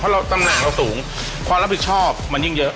เพราะเราตำแหน่งเราสูงความรับผิดชอบมันยิ่งเยอะ